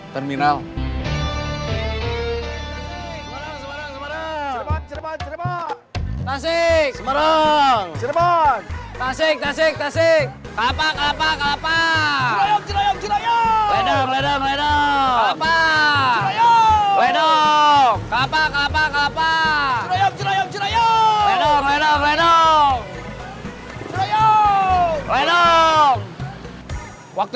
terima kasih bu